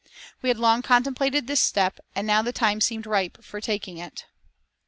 We had long contemplated this step, and now the time seemed ripe for taking it.